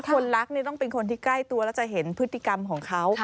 คนรักต้องเป็นคนที่ใกล้ตัวแล้วจะเห็นพฤติกรรมของเขา